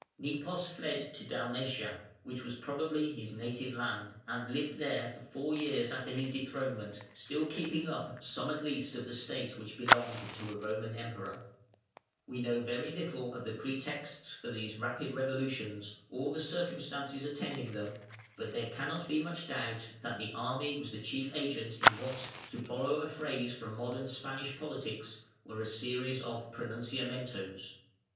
Nepos fled to Dalmatia, which was probably his native land, and lived there for four years after his dethronement, still keeping up some at least of the state which belonged to a Roman Emperor. We know very little of the pretexts for these rapid revolutions, or the circumstances attending them, but there cannot be much doubt that the army was the chief agent in what, to borrow a phrase from modern Spanish politics, were a series of pronunciamentos.